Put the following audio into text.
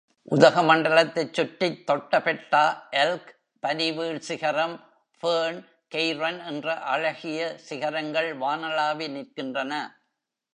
உதகமண்டலத்தைச் சுற்றித் தொட்டபெட்டா, எல்க், பனிவீழ்சிகரம், Fern, Cairn என்ற அழகிய சிகரங்கள் வானளாவி நிற்கின்றன.